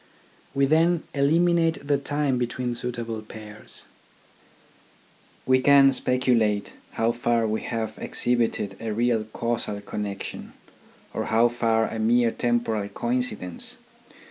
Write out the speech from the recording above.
We then eliminate the time between suitable pairs. We can speculate how far we have ex hibited a real casual connection, or how far a mere temporal coincidence.